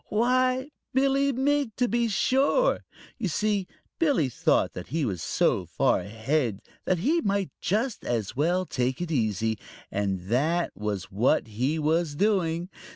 Why, Billy Mink, to be sure! You see, Billy thought that he was so far ahead that he might just as well take it easy, and that was what he was doing.